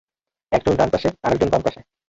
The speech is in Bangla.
একজন ডান পাশে, আরেক জন বাম পাশে।